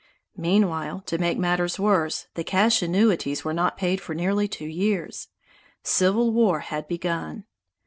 Meanwhile, to make matters worse, the cash annuities were not paid for nearly two years. Civil War had begun.